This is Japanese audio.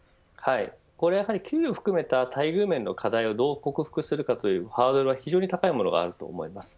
やはり給与を含めた待遇面の課題をどう克服するかというハードルは非常に高いものがあると思います。